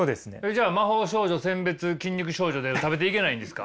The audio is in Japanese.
じゃあ「魔法少女殲滅筋肉少女」で食べていけないんですか？